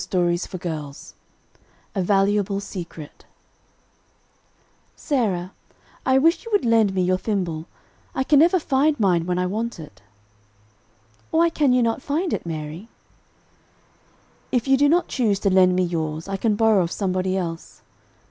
"_] A VALUABLE SECRET Sarah, I wish you would lend me your thimble. I can never find mine when I want it." "Why can not you find it, Mary?" "If you do not choose to lend me yours, I can borrow of somebody else."